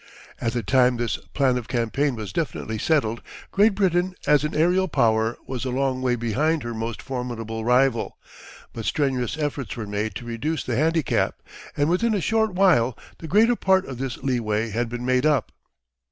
At the time this plan of campaign was definitely settled Great Britain as an aerial power was a long way behind her most formidable rival, but strenuous efforts were made to reduce the handicap, and within a short while the greater part of this leeway had been made up.